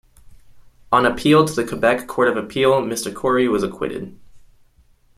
On appeal to the Quebec Court of Appeal, Mr. Kouri was acquitted.